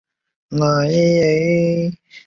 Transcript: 与藏文转写不同。